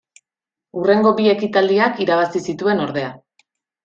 Hurrengo bi ekitaldiak irabazi zituen ordea.